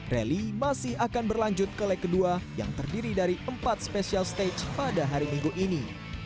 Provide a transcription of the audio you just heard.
rally masih akan berlanjut ke leg kedua yang terdiri dari empat special stage pada hari minggu ini